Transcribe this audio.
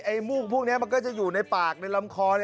มูกพวกนี้มันก็จะอยู่ในปากในลำคอ